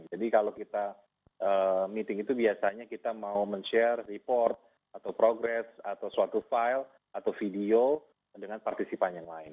jadi kalau kita meeting itu biasanya kita mau men share report atau progress atau suatu file atau video dengan partisipan yang lain